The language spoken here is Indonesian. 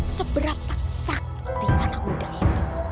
seberapa sakti anak muda itu